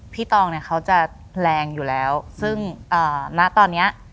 พี่ตองเนี่ยเขาจะแรงอยู่แล้วซึ่งเอ่อณตอนเนี้ย